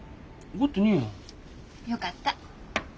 よかった。